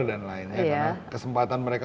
dan lainnya karena kesempatan mereka